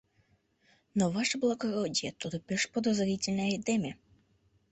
Но, ваше благородие, тудо пеш подозрительный айдеме.